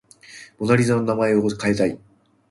モナ・リザの名前を変えたい